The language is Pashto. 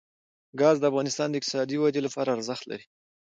ګاز د افغانستان د اقتصادي ودې لپاره ارزښت لري.